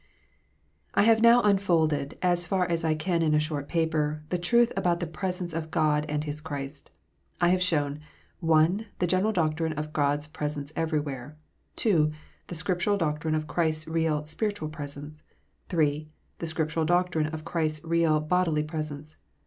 I have now unfolded, as far as I can in a short paper, the truth about the presence of God and His Christ. I have shown (1) the general doctrine of God s presence everywhere ; (2) the Scriptural doctrine of Christ s real, spiritual presence ; (3) the Scriptural doctrine of Christ s real, bodily presence.